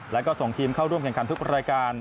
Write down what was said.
แล้วก็ส่งทีมเข้าร่วมแข่งขันทุกรายการ